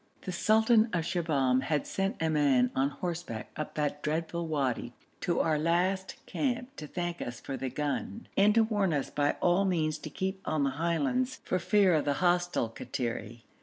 The sultan of Shibahm had sent a man on horseback up that dreadful wadi to our last camp to thank us for the gun, and to warn us by all means to keep on the highlands for fear of the hostile Kattiri.